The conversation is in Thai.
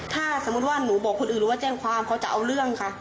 ถ้าสมมุติว่าหนูบอกคนอื่นหรือว่าแจ้งความเขาจะเอาเรื่องค่ะ